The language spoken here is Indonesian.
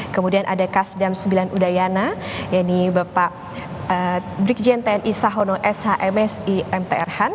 kemudian ada kasdam sembilan udayana brikjenten isahono sh msi mtr han